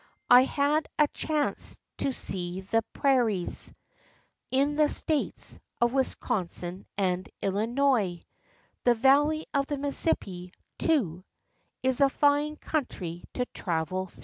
"I had a chance to see the prairies In the States of Wisconsin and Illinois; The valley of the Mississippi, too, Is a fine country to travel through.